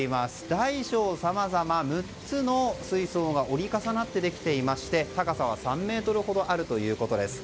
大小さまざま、６つの水槽が折り重なってできていまして高さは３ｍほどあるということです。